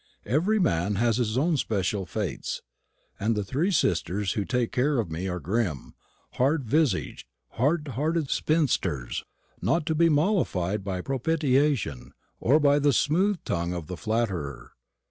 Every man has his own especial Fates; and the three sisters who take care of me are grim, hard visaged, harder hearted spinsters, not to be mollified by propitiation, or by the smooth tongue of the flatterer.